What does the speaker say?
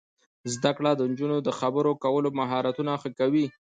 زده کړه د نجونو د خبرو کولو مهارتونه ښه کوي.